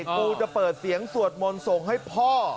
กูจะเปิดเสียงสวดมนต์ส่งให้พ่อ